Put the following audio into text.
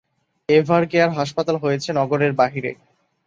এভারকেয়ার হাসপাতাল হয়েছে নগরের বাইরে।